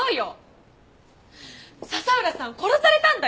佐々浦さん殺されたんだよ！